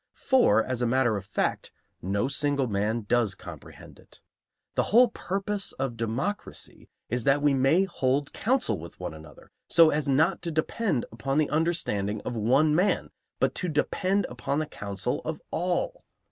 For, as a matter of fact, no single man does comprehend it. The whole purpose of democracy is that we may hold counsel with one another, so as not to depend upon the understanding of one man, but to depend upon the counsel of all.